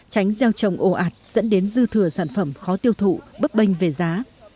tránh gieo trồng ồ ạt dẫn đến dư thừa sản phẩm khó tiêu thụ bấp bênh về giá